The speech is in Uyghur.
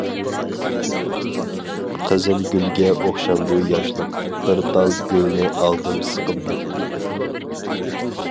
قىزىلگۈلگە ئوخشامدۇ ياشلىق، بىر تال گۈلنى ئالدىم سىقىمداپ.